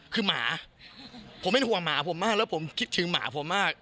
คือหมาผมเป็นห่วงหมาผมมากแล้วผมคิดถึงหมาผมมาก